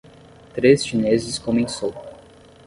três chineses comem sopa.